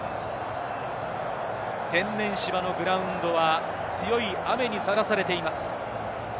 天然芝のグラウンドは強い雨に、さらされています。